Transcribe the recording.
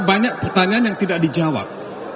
banyak pertanyaan yang tidak dijawab